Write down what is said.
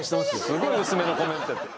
すごい薄めのコメントやった。